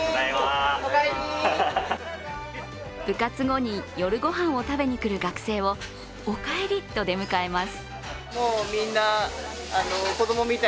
部活後に夜ごはんを食べに来る学生を「お帰り」と出迎えます。